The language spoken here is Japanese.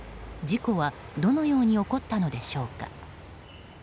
事故はどのように起こったのでしょうか。